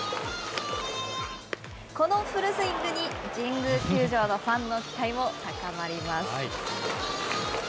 このフルスイングに、神宮球場のファンの期待も高まります。